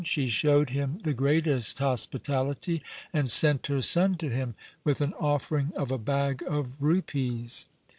She showed him the greatest hospitality and sent her son to him with an offering of a bag of rupees.